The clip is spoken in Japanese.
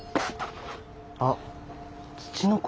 あツチノコ？